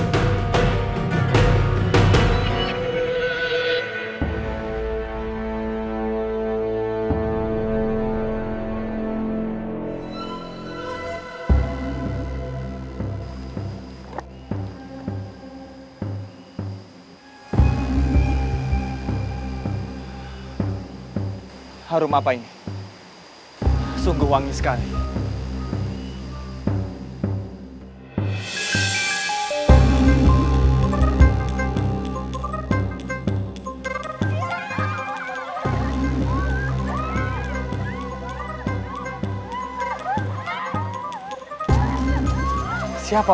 mereka sudah berhasil menangkap mereka